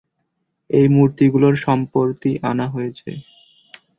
এই মূর্তিগুলোর সম্প্রতি আনা হয়েছে।